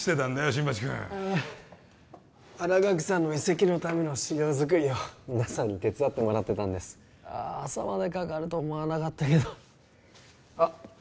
新町君新垣さんの移籍のための資料作りを皆さんに手伝ってもらってたんです朝までかかると思わなかったけどあっ